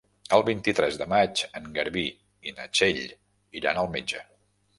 El vint-i-tres de maig en Garbí i na Txell iran al metge.